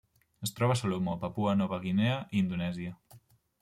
Es troba a Salomó, Papua Nova Guinea i Indonèsia.